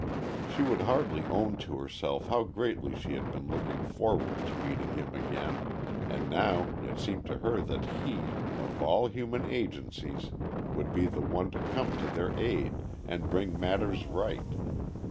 She would hardly own to herself how greatly she had been looking forward to meeting him again, and now it seemed to her that he, of all human agencies, would be the one to come to their aid and bring matters right.